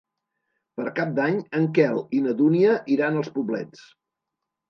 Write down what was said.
Per Cap d'Any en Quel i na Dúnia iran als Poblets.